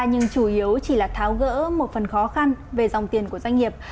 nhưng chủ yếu chỉ là tháo gỡ một phần khó khăn về dòng tiền của doanh nghiệp